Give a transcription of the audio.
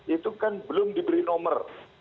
itu kan belum diberi nomor